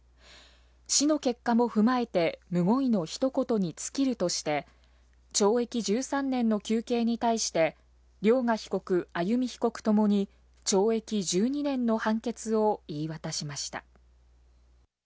死の結果も踏まえて、むごいのひと言に尽きるとして、懲役１３年の求刑に対して、涼雅被告、歩被告共に、懲役１２年の判決を言い渡しました。